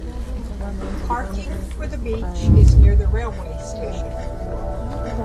Parking for the beach is near the railway station.